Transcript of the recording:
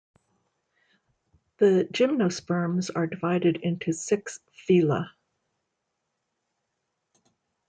The gymnosperms are divided into six phyla.